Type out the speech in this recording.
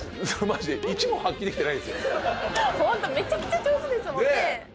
ホントめちゃくちゃ上手ですもんね。